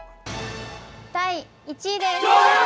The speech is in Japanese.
第１位です。